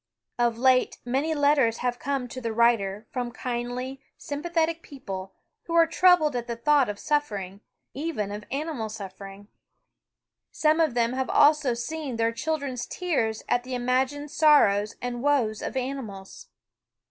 Of late many letters have come to the writer from kindly, sympathetic people who are troubled at the thought of suffering, even of animal suffering. Some of them have also seen their children's tears at the imagined sorrows and woes of animals.